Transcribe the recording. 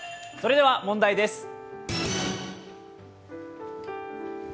それでは問題です。